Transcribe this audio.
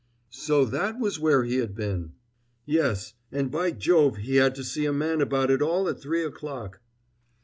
So that was where he had been? Yes, and by Jove he had to see a man about it all at three o'clock.